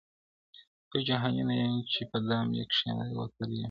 یو جهاني نه یم چي په دام یې کښېوتلی یم -